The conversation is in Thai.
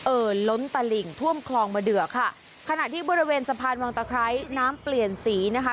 เอ่อล้นตลิ่งท่วมคลองมะเดือกค่ะขณะที่บริเวณสะพานวังตะไคร้น้ำเปลี่ยนสีนะคะ